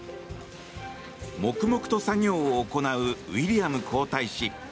黙々と作業を行うウィリアム皇太子。